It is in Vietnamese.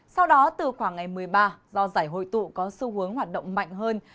sau đó từ khoảng ngày một mươi ba do giải hội tụ có xu hướng hoạt động mạnh hơn